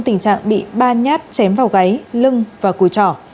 tình trạng bị ba nhát chém vào gáy lưng và cùi trỏ